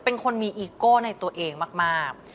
เป็นคนมีอีโก้ในตัวเองมาก